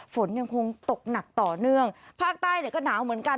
ฝนยังคงตกหนักต่อเนื่องภาคใต้เนี่ยก็หนาวเหมือนกัน